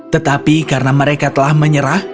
tetapi karena mereka telah menyerah